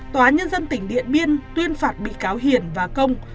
tòa nhân dân tỉnh điện biên tuyên phạt bị cáo hiền và công